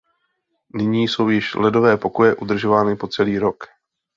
Nyní jsou již ledové pokoje udržovány po celý rok.